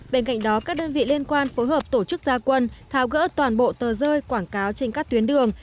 bên cạnh đó các đơn vị liên quan phối hợp tổ chức gia quân tháo gỡ toàn bộ tờ rơi quảng cáo trên các tuyến đường